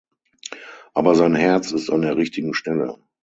Aber sein Herz ist an der richtigen Stelle.